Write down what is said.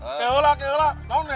si neng mah naik motor doh nya